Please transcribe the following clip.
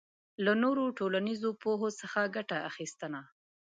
له نورو ټولنیزو پوهو څخه ګټه اخبستنه